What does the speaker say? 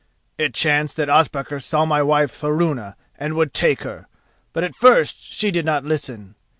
"It chanced that Ospakar saw my wife Thorunna and would take her, but at first she did not listen.